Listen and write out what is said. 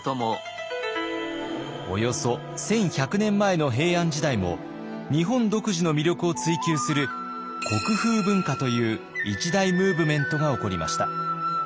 およそ１，１００年前の平安時代も日本独自の魅力を追求する国風文化という一大ムーブメントが起こりました。